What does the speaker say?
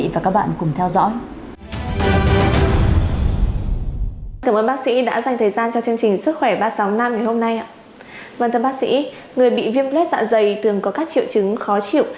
vâng thưa bác sĩ người bị viêm lết dạ dày thường có các triệu chứng khó chịu